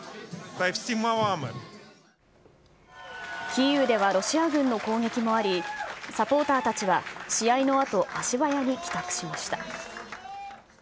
キーウではロシア軍の攻撃もあり、サポーターたちは試合のあと、足早に帰宅しました。